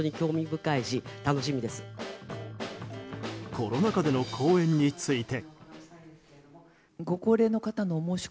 コロナ禍での公演について。